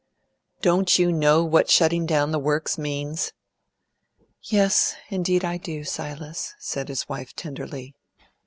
Don't you know what shutting down the Works means?" "Yes, indeed I do, Silas," said his wife tenderly.